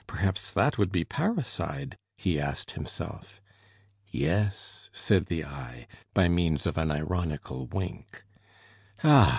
Perhaps that would be parricide?" he asked himself. "Yes," said the eye, by means of an ironical wink. "Ah!"